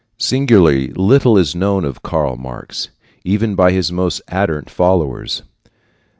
Singularly little is known of Karl Marx, even by his most ardent followers.